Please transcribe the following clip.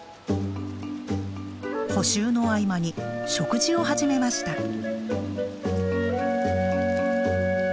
補修の合間に食事を始めました。